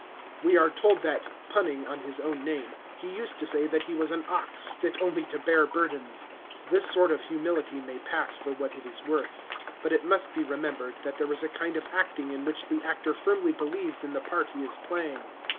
We are told that, punning on his own name, he used to say that he was an ox, fit only to bear burdens. This sort of humility may pass for what it is worth; but it must be remembered, that there is a kind of acting in which the actor firmly believes in the part he is playing.